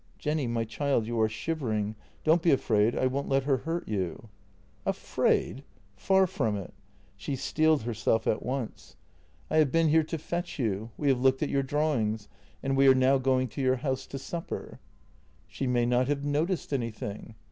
"Jenny, my child, you are shivering — don't be afraid. I won't let her hurt you." "Afraid? Far from it." She steeled herself at once. "I i6o JENNY have been here to fetch you; we have looked at your drawings, and we are now going to your house to supper." " She may not have noticed anything."